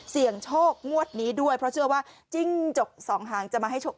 เสี่ยงโชคงวดนี้ด้วยเพราะเชื่อว่าจิ้งจกสองหางจะมาให้โชค